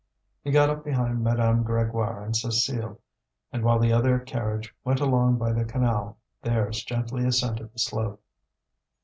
He got up behind Madame Grégoire and Cécile, and while the other carriage went along by the canal, theirs gently ascended the slope.